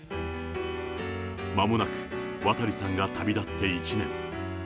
まもなく、渡さんが旅立って１年。